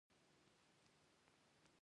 لوبې د اولسونو ترمنځ دوستي زیاتوي.